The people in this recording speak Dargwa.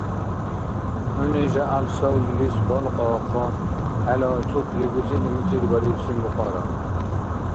ХӀуни жагӀял савлилис балкьаахъа хӀела цӀукли бицӀили мицӀирбарибси мукьара.